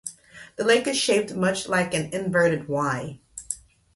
The lake is shaped much like an inverted letter "Y".